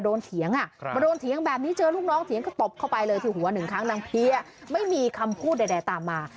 เถียงอ่ะมาโดนเถียงแบบนี้เจอลูกน้องเถียงก็ตบเข้าไปเลยที่หัวหนึ่งครั้งนางเพียไม่มีคำพูดใดตามมา